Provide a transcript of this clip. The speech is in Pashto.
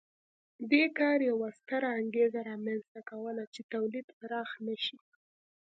دې کار یوه ستره انګېزه رامنځته کوله چې تولید پراخ نه شي